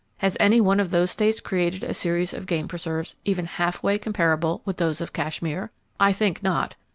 Has any one of those states created a series of game preserves even half way comparable with those of Kashmir? I think not.